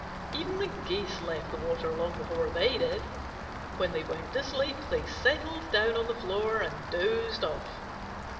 Even the Geese left the water long before they did. When they went to sleep, they settled down on the floor and dozed off.